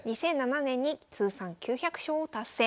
２００７年に通算９００勝を達成。